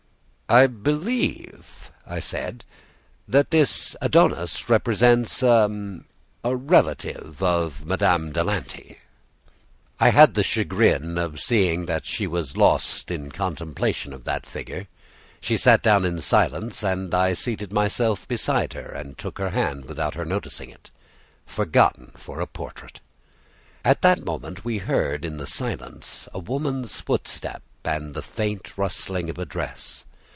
"I believe," I said, "that this Adonis represents a a relative of Madame de Lanty." I had the chagrin of seeing that she was lost in contemplation of that figure. She sat down in silence, and I seated myself beside her and took her hand without her noticing it. Forgotten for a portrait! At that moment we heard in the silence a woman's footstep and the faint rustling of a dress.